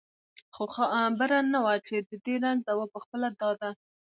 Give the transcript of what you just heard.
خو خبره نه وه چې د دې رنځ دوا پخپله دا ده.